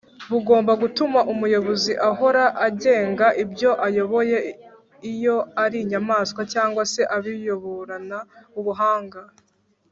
bugomba gutuma umuyobozi ahora agenga ibyo ayoboye iyo ari inyamaswa cg se abiyoborana ubuhanga